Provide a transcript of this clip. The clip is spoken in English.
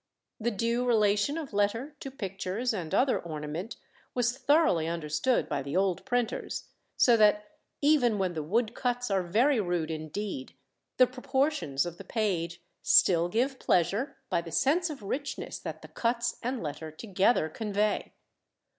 The due relation of letter to pictures and other ornament was thoroughly understood by the old printers; so that even when the woodcuts are very rude indeed, the proportions of the page still give pleasure by the sense of richness that the cuts and letter together convey.